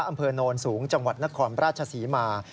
อำเภอโนนสูงจังหวัดนครราชศรีมา